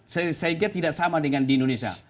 saya kira tidak sama dengan di indonesia